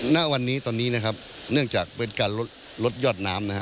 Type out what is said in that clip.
ณวันนี้ตอนนี้เนื่องจากเปิดการลดยอดน้ำ